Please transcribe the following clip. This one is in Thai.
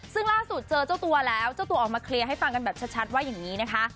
ซึ่งล่าสุดเจอเจ้าตัวแล้วเจ้าตัวออกมาเคลียร์ให้ฟังกันแบบชัดว่าอย่างนี้นะคะ